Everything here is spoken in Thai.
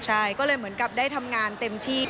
ใช่ก็เลยเหมือนกับได้ทำงานเต็มที่